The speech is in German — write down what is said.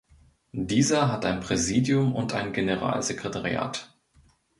Dieser hat ein Präsidium und ein Generalsekretariat.